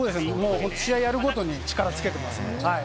試合やるごとに力をつけていますね。